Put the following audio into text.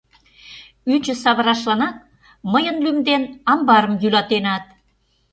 Ӱчӧ савырашланак мыйын лӱм дене амбарым йӱлатенат...